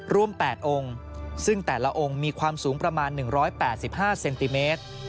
รวม๘องค์ซึ่งแต่ละองค์มีความสูงประมาณ๑๘๕เซนติเมตร